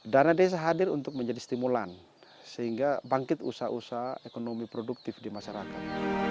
dana desa hadir untuk menjadi stimulan sehingga bangkit usaha usaha ekonomi produktif di masyarakat